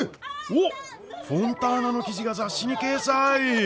おっフォンターナの記事が雑誌に掲載。